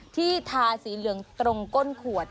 ที่ทาสีเหลืองตรงก้นขวด